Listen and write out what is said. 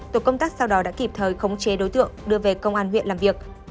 tổ công tác sau đó đã kịp thời khống chế đối tượng đưa về công an huyện làm việc